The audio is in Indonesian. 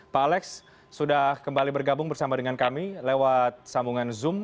pak alex sudah kembali bergabung bersama dengan kami lewat sambungan zoom